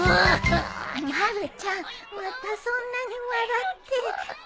まるちゃんまたそんなに笑って。